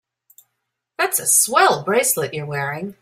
That's a swell bracelet you're wearing.